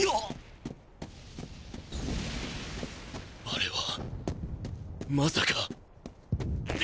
あれはまさか！？